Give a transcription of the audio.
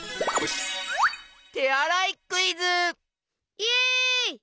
イエイ！